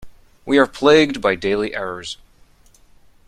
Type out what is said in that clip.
We are plagued by daily errors.